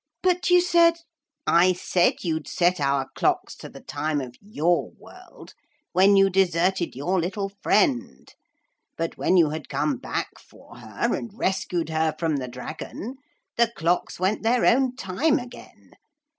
'But you said ' 'I said you'd set our clocks to the time of your world when you deserted your little friend. But when you had come back for her, and rescued her from the dragon, the clocks went their own time again.